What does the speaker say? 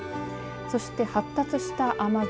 そして発達した雨雲